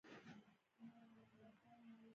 کورني کورسونه په پټه او ښکاره جوړ شوي وو